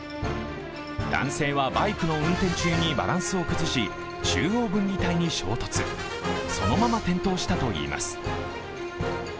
男性はバイクの運転中にバランスを崩し中央分離帯に衝突、そのまま転倒したといいます。